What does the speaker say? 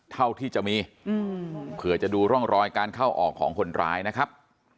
เท่าที่จะมีเผื่อจะดูร่องรอยการเข้าออกของคนร้ายนะครับ